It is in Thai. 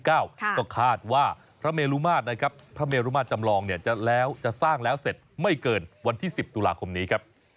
ก็คาดว่าพระเมรุมาตรจำลองจะสร้างแล้วเสร็จไม่เกินวันที่๑๐ตุลาคมนี้ครับ